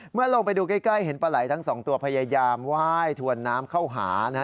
ลงไปดูใกล้เห็นปลาไหลทั้งสองตัวพยายามไหว้ถวนน้ำเข้าหานะฮะ